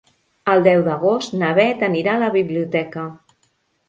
El deu d'agost na Beth anirà a la biblioteca.